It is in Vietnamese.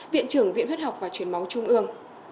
viện trưởng viện huyết học và truyền máu trung ương